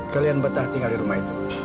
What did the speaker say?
kalian betah tinggal di rumah itu